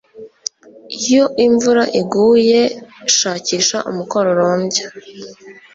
Iyo imvura iguye shakisha umukororombya.